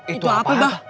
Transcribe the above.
itu apa pak